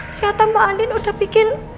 ternyata mbak andin udah pikir